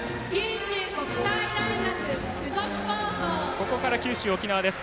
ここから九州・沖縄です。